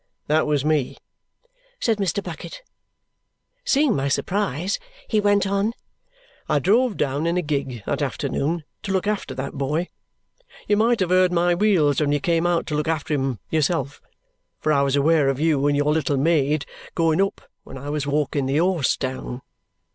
"That was me," said Mr. Bucket. Seeing my surprise, he went on, "I drove down in a gig that afternoon to look after that boy. You might have heard my wheels when you came out to look after him yourself, for I was aware of you and your little maid going up when I was walking the horse down.